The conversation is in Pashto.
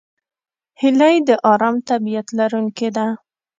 هیلۍ د آرام طبیعت لرونکې ده